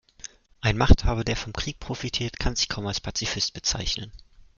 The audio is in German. Ein Machthaber, der vom Krieg profitiert, kann sich kaum als Pazifist bezeichnen.